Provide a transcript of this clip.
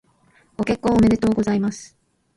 ご結婚おめでとうございます。